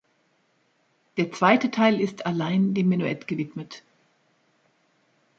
Der zweite Teile ist allein dem Menuett gewidmet.